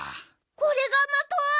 これがまと？